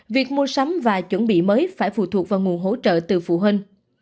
việc mua sắm và chuẩn bị mới phải phụ thuộc vào nguồn hỗ trợ từ phụ huynh